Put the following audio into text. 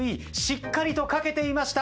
しっかりと書けていました。